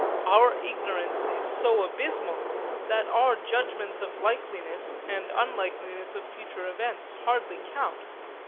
Our ignorance is so abysmal that our judgments of likeliness and unlikeliness of future events hardly count.